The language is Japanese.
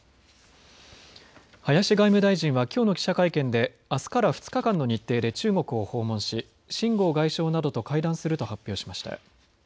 林外務大臣はきょうの記者会見であすから２日間の日程で中国を訪問し、秦剛外相などと会談すると発表しました。